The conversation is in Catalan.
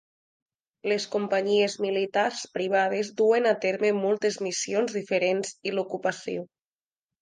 Les companyies militars privades duen a terme moltes missions diferents i l'ocupació.